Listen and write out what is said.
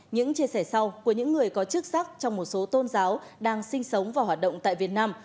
những chia sẻ sau của những người có chức sắc trong một số tôn giáo đang sinh sống và hoạt động tại việt nam